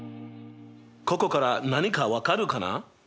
ここから何か分かるかな？